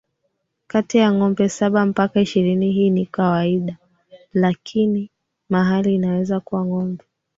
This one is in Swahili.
kati ya ngombe saba mpaka ishirini hii ni kawaidalakinia mahali inaweza kuwa ngombe